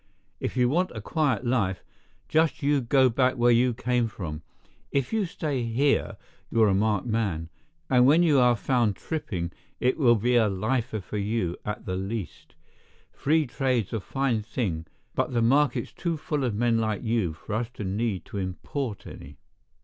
"If you want a quiet life, just you go back where you came from. If you stay here, you're a marked man; and when you are found tripping it'll be a lifer for you, at the least. Free trade's a fine thing but the market's too full of men like you for us to need to import any."